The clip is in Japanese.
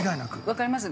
わかります。